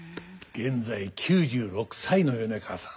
現在９６歳の米川さん。